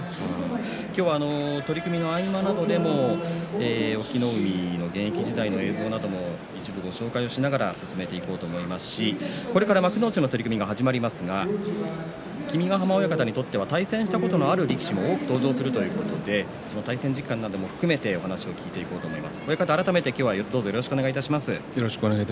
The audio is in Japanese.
今日は取組の合間などでも隠岐の海の現役時代の映像なども一部ご紹介しながら進めていこうと思いますしこれから幕内の取組が始まりますが君ヶ濱親方にとっては対戦したことのある力士も多く登場するということで対戦実感なども含めてお話を聞いていこうと思います。